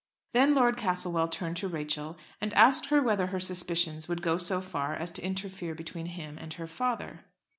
Then Lord Castlewell turned to Rachel, and asked her whether her suspicions would go so far as to interfere between him and her father.